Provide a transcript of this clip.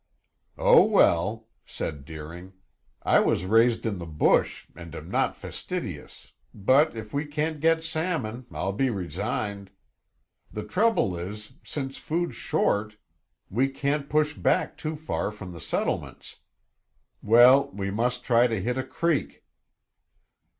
"Oh, well," said Deering, "I was raised in the bush and am not fastidious, but if we can't get salmon, I'll be resigned. The trouble is, since food's short we can't push back too far from the settlements. Well, we must try to hit a creek."